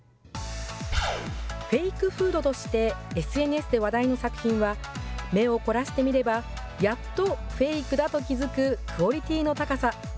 フェイクフードとして、ＳＮＳで話題の作品は、目を凝らして見れば、やっとフェイクだと気付くクオリティーの高さ。